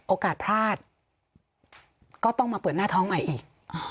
โอกาสพลาดก็ต้องมาเปิดหน้าท้องใหม่อีก